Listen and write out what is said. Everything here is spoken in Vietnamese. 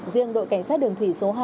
riêng đội cảnh sát đường thủy số hai